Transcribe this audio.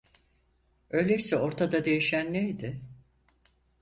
Öyleyse ortada değişen neydi?